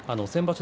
先場所